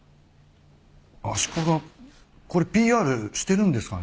足利これＰＲしてるんですかね？